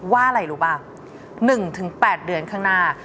ว่าอะไรรู้ป่ะ๑๘เดือนข้างหน้า